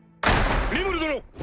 ・リムル殿！